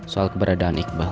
soal keberadaan iqbal